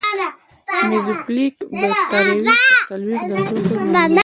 میزوفیلیک بکټریاوې تر څلوېښت درجو پورې نمو کوي.